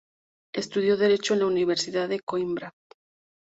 Estudió Derecho en la Universidad de Coímbra.